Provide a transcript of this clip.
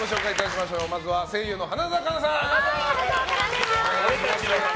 まずは声優の花澤香菜さん。